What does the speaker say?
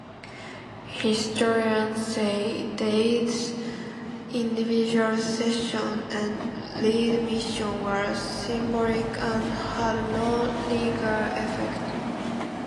Historians say Dade's individual secession and readmission were symbolic and had no legal effect.